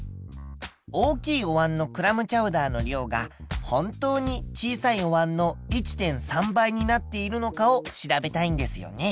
大きいおわんのクラムチャウダーの量が本当に小さいおわんの１．３倍になっているのかを調べたいんですよね。